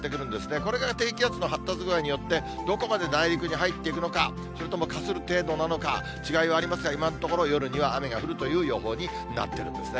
これが低気圧の発達具合によって、どこまで内陸に入ってくるのか、それともかする程度なのか、違いはありますが、今のところ夜には雨が降るという予報になっているんですね。